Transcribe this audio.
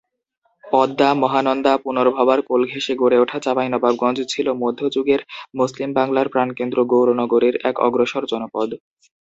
পদ্মা-মহানন্দা-পুনর্ভবার কোল ঘেঁষে গড়ে ওঠা চাঁপাইনবাবগঞ্জ ছিল মধ্যযুগের মুসলিম বাংলার প্রাণকেন্দ্র গৌড় নগরীর এক অগ্রসর জনপদ।